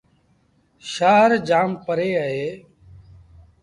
شآهر جآم پري اهي ۔